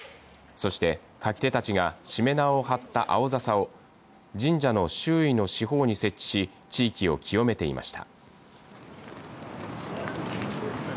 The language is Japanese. そして、舁き手たちがしめ縄を張った青笹を神社の周囲の四方に設置し地域を清めていました。